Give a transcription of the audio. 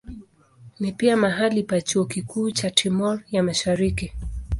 Ni pia mahali pa chuo kikuu cha Timor ya Mashariki.